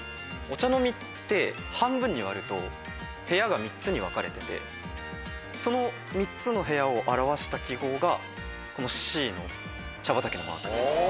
お茶の実って半分に割ると部屋が３つに分かれててその３つの部屋を表した記号がこのＣの茶畑のマークです。